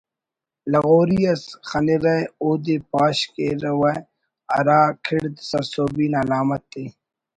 لغوری اس خنیرہ اودے پاش کیر و ہرا کڑد سرسہبی نا علامت ءِ